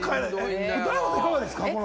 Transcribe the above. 大門さん、いかがですか？